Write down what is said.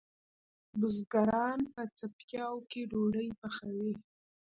بزګران په څپیاکو ډوډئ پخوی